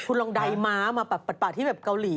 คุณลองไดมะมาปลาดที่เกาหลี